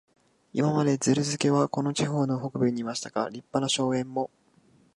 今まで、ズルスケはこの地方の北部にいましたが、立派な荘園も、